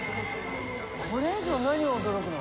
これ以上何を驚くの？